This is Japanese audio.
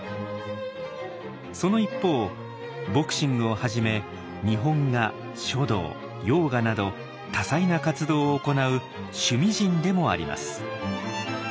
その一方ボクシングをはじめ日本画書道ヨーガなど多彩な活動を行う趣味人でもあります。